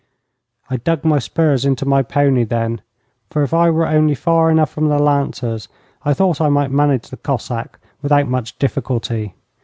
I dug my spurs into my pony then, for if I were only far enough from the lancers I thought I might manage the Cossack without much difficulty.